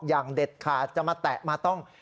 อย่างเด็ดขาดจะมาแตะมาต้อง